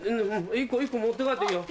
１個持って帰っていいよ。